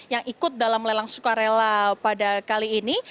yang ikut dalam lelang sukarela pada kali ini